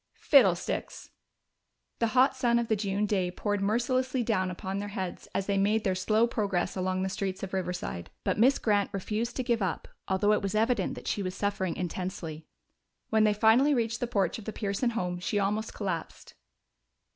"Fiddlesticks!" The hot sun of the June day poured mercilessly down upon their heads as they made their slow progress along the streets of Riverside, but Miss Grant refused to give up, although it was evident that she was suffering intensely. When they finally reached the porch of the Pearson home she almost collapsed.